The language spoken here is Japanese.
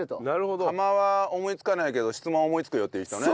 釜−１は思いつかないけど質問は思いつくよっていう人ね。